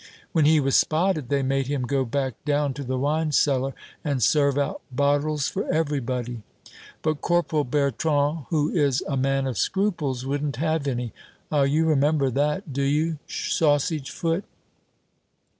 When he was spotted, they made him go back down to the wine cellar, and serve out bottles for everybody. But Corporal Bertrand, who is a man of scruples, wouldn't have any. Ah, you remember that, do you, sausage foot!"